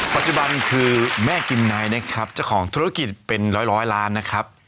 พอจุบันคือแม่กิมนายเนี่ยครับเจ้าของธุรกิจเป็น๑๐๐ล้านนะครับ